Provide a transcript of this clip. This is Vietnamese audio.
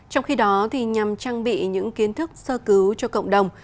trong khi đó nhằm trang bị những kiến thức sơ cứu cho cộng đồng